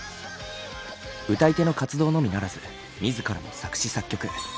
歌い手の活動のみならず自らも作詞作曲。